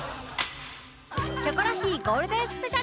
『キョコロヒー』ゴールデンスペシャル